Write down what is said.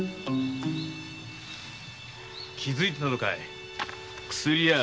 気づいてたのかい？